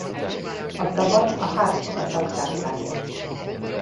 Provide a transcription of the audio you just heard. A tavat a Harku-patak táplálja.